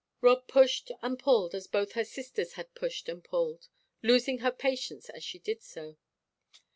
Rob pushed and pulled as both her sisters had pushed and pulled, losing her patience as she did so.